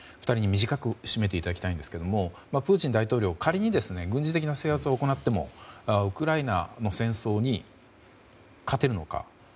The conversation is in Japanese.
２人に短く締めていただきたいですがプーチン大統領仮に軍事的な制圧を行ってもウクライナの戦争に勝てるのか。